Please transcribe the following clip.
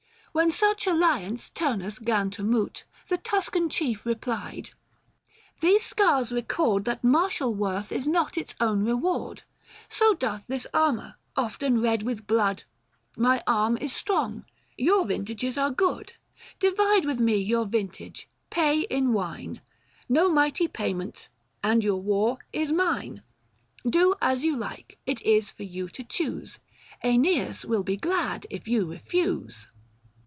When such alliance Turnus 'gan to moot, The Tuscan chief replied :" These scars record That martial worth is not its own reward ; 1030 So doth this armour, often red with blood ! My arm is strong, your vintages are good : Divide with me your vintage, pay in wine — No mighty payment — and your war is mine. Do as you like, it is for you to choose ; 1035 iEneas will be glad if you refuse."